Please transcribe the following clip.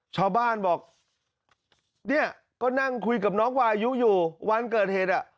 ชาวบ้านบอกเนี่ยก็นั่งคุยกับน้องวายุอยู่วันเกิดเหตุอ่ะ